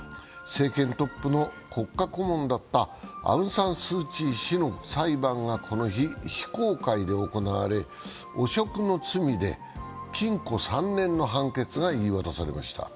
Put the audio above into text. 政権トップの国家顧問だったアウン・サン・スー・チー氏の裁判がこの日、非公開で行われ汚職の罪で禁錮３年の判決が言い渡されました。